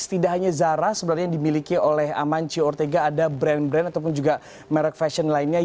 tidak hanya zara sebenarnya yang dimiliki oleh amancio ortega ada brand brand ataupun juga merek fashion lainnya